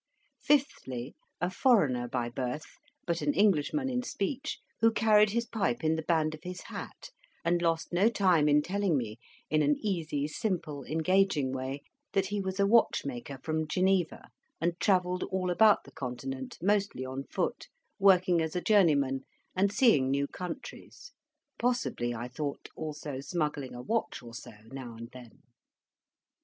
Fifthly, a foreigner by birth, but an Englishman in speech, who carried his pipe in the band of his hat, and lost no time in telling me, in an easy, simple, engaging way, that he was a watchmaker from Geneva, and travelled all about the Continent, mostly on foot, working as a journeyman, and seeing new countries, possibly (I thought) also smuggling a watch or so, now and then.